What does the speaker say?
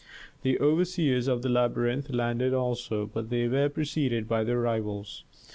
The overseers of the labyrinth landed also, but they were preceded by their rivals.